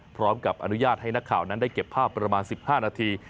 พร้อมกับอนุญาตให้นักข่าวนั้นได้เก็บภาพประมาณ๑๕นาที